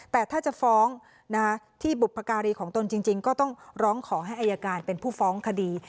แต่ถ้าจะฟ้องที่บุพการีของตนจริงก็ต้องร้องขอให้อายการเป็นผู้ฟ้องคดี